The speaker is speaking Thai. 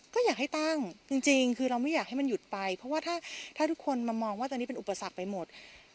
ก็อยากให้ตั้งจริงคือเราไม่อยากให้มันหยุดไปเพราะว่าถ้าทุกคนมามองว่าตอนนี้เป็นอุปสรรคไปหมด